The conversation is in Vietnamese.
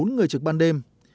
bốn người trực ban đêm